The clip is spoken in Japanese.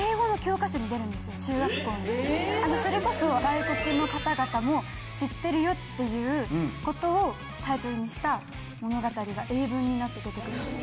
中学校のそれこそ外国の方々も知ってるよっていうことをタイトルにした物語が英文になって出て来るんです。